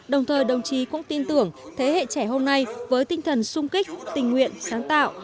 đồng thời đồng chí cũng tin tưởng thế hệ trẻ hôm nay với tinh thần sung kích tình nguyện sáng tạo